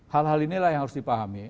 hal hal inilah yang harus dipahami